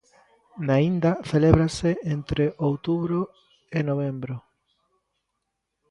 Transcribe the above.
Na Inda celébrase entre outubro e novembro.